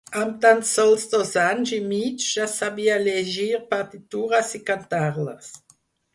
Amb tan sols dos anys i mig ja sabia llegir partitures i cantar-les.